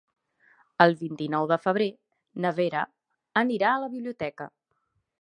El vint-i-nou de febrer na Vera anirà a la biblioteca.